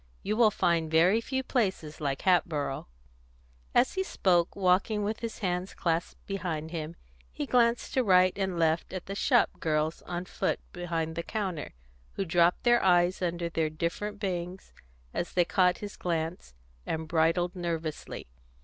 You will find very few places like Hatboro'." As he spoke, walking with his hands clasped behind him, he glanced to right and left at the shop girls on foot behind the counter, who dropped their eyes under their different bangs as they caught his glance, and bridled nervously.